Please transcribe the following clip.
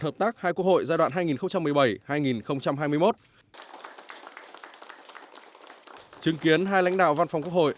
hợp tác hai quốc hội giai đoạn hai nghìn một mươi bảy hai nghìn hai mươi một chứng kiến hai lãnh đạo văn phòng quốc hội